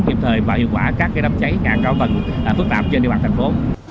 kịp thời và hiệu quả các đám cháy ngã cao tầng phức tạp trên địa bàn thành phố